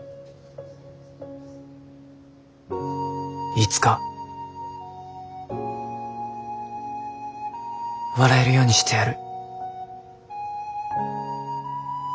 いつか笑えるようにしてやる。